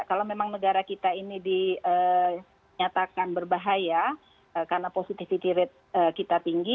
kalau memang negara kita ini dinyatakan berbahaya karena positivity rate kita tinggi